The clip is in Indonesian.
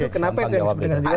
kenapa itu yang sebenarnya